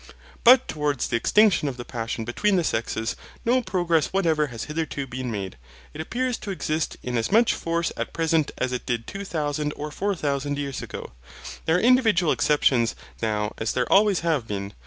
But towards the extinction of the passion between the sexes, no progress whatever has hitherto been made. It appears to exist in as much force at present as it did two thousand or four thousand years ago. There are individual exceptions now as there always have been.